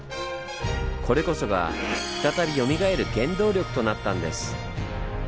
これこそが再びよみがえる原動力となったんです。